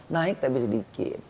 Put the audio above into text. naik tapi sedikit